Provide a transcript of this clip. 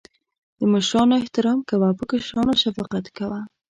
د مشرانو احترام کوه.په کشرانو شفقت کوه